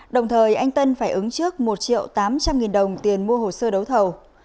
đồng thời anh tân phải ứng trước một triệu tám trăm linh nghìn đồng tiền mua hồ sơ đấu thầu